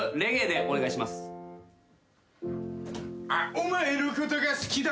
「お前のことが好きだから」